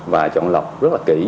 và chọn lọc rất là kỹ